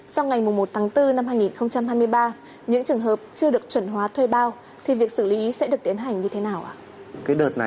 sau ngày một tháng bốn năm hai nghìn hai mươi ba những trường hợp chưa được chuẩn hóa thuê bao thì việc xử lý sẽ được tiến hành như thế nào ạ